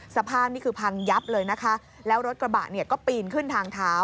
สภาพนี่คือพังยับเลยนะคะแล้วรถกระบะเนี่ยก็ปีนขึ้นทางเท้า